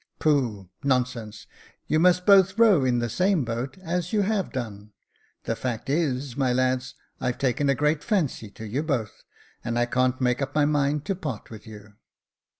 "Pooh! nonsense; you must both row in the same boat as you have done. The fact is, my lads, I've taken a great fancy to you both, and I can't make up my mind to part with you."